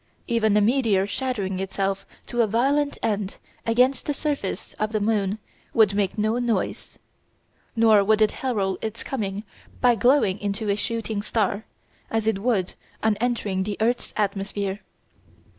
Even a meteor shattering itself to a violent end against the surface of the moon would make no noise. Nor would it herald its coming by glowing into a "shooting star," as it would on entering the earth's atmosphere.